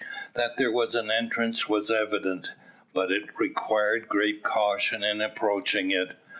That there was an entrance was evident, but it required great caution in approaching it.